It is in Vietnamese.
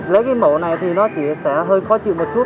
lấy cái mẫu này thì nó chỉ sẽ hơi khó chịu một chút